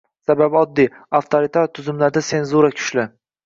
Sababi, oddiy: avtoritar tizimlarda senzura kuchli